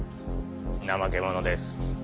ナマケモノです。